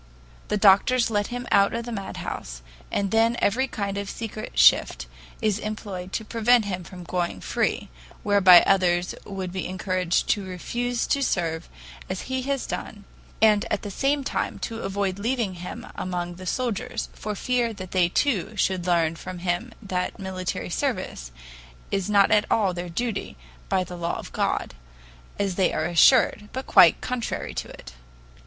The doctors let him out of the madhouse, and then every kind of secret shift is employed to prevent him from going free whereby others would be encouraged to refuse to serve as he has done and at the same time to avoid leaving him among the soldiers, for fear they too should learn from him that military service is not at all their duty by the law of God, as they are assured, but quite contrary to it.